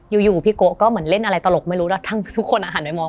อยู่พี่โกะก็เหมือนเล่นอะไรตลกไม่รู้แล้วทุกคนหันไปมอง